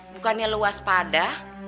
bukannya lu waspada